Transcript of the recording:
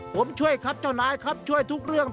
ผมช่วยครับเจ้านายครับช่วยทุกเรื่อง